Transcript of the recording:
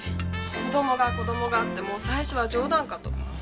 子供が子供がって最初は冗談かと。